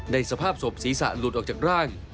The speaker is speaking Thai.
สภาพศพศีรษะหลุดออกจากร่าง